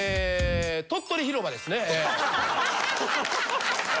鳥取広場ですね。